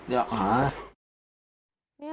อยากหา